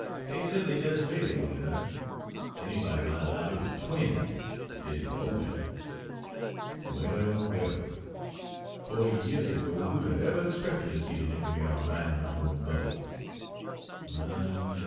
Dey ce't'nly does favor one anudder, anybody mought 'low dey wuz twins, ef dey didn' know better. Well, well! Fo'ty yeahs ago who'd 'a' ever expected ter see a nigger gal ridin' in her own buggy? My, my!